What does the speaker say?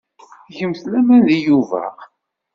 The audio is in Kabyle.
Gemt laman deg Yuba.